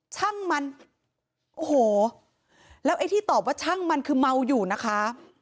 ช่างมันโอ้โหแล้วไอ้ที่ตอบว่าช่างมันคือเมาอยู่นะคะ